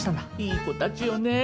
いい子たちよね。